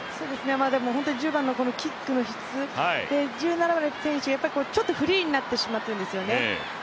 １０番のキックの質１７番の選手、ちょっとフリーになってしまっているんですよね。